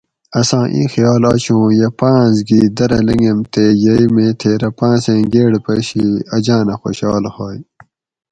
اساں ایں خیال آشو اوں یہ پاۤنس گھی درہ لۤنگم تے یئی میں تھیرہ پانسیں گیڑ پشی اجانہ خوشال ہوئے